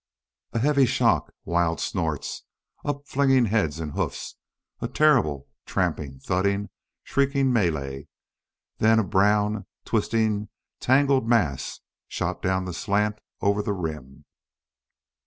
A heavy shock, wild snorts, upflinging heads and hoofs, a terrible tramping, thudding, shrieking melee, then a brown, twisting, tangled mass shot down the slant over the rim!